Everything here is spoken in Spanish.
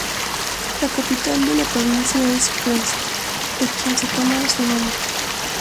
La capital de la provincia es Brest, de quien toma su nombre.